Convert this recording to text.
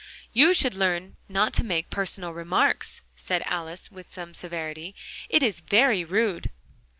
"You should learn not to make personal remarks," Alice said with some severity: "it's very rude."